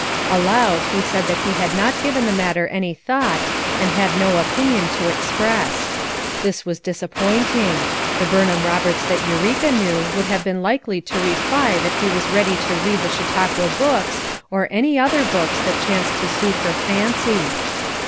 Aloud, he said that he had not given the matter any thought, and had no opinion to express. This w r as disappointing; the Burnham Roberts that Eureka knew would have been likely to reply that he was ready to read the Chautauqua books, or any other books that chanced to suit her fancy.